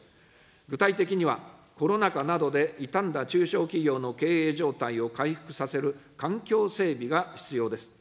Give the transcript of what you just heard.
具体的には、コロナ禍などで傷んだ中小企業の経営状態を回復させる環境整備が必要です。